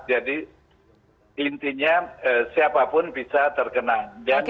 jadi intinya siapapun bisa terkenal